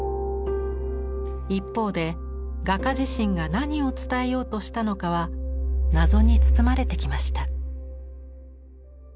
一方で画家自身が何を伝えようとしたのかは謎に包まれてきました。